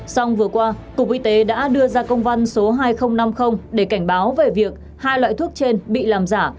song vừa qua cục y tế đã đưa ra công văn số hai nghìn năm mươi để cảnh báo về việc hai loại thuốc trên bị làm giả